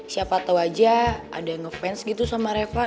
siapa tau aja ada yang ngefans gitu sama reva